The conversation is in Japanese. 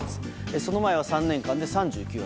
この前は３年間で３９発。